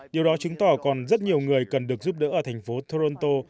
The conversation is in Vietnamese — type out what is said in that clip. điều đó chứng tỏ còn rất nhiều người cần được giúp đỡ ở thành phố toronto